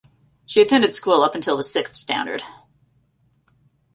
She attended school up until the sixth standard.